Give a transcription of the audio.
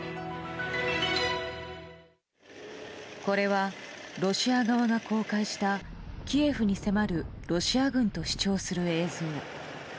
これは、ロシア側が公開したキエフに迫るロシア軍と主張する映像。